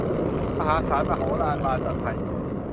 มหาศาล มโหฬาร บานตะไท